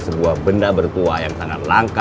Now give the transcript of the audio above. sebuah benda bertua yang sangat langka